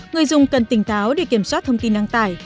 người dùng cần tỉnh táo để kiểm soát thông tin đăng tải